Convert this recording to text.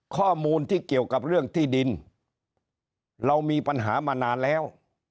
ข้อมูลที่เกี่ยวกับเรื่องที่ดินเรามีปัญหามานานแล้ว